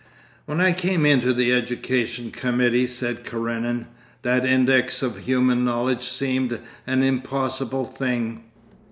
'When I came into the education committee,' said Karenin, 'that index of human knowledge seemed an impossible thing.